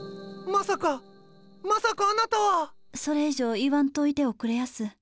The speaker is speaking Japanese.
まさかまさかあなたは。それ以上言わんといておくれやす。